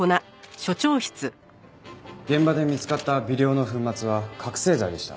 現場で見つかった微量の粉末は覚醒剤でした。